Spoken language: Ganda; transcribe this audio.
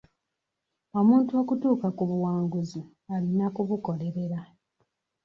Omuntu okutuuka ku buwanguzi alina kubukolerera.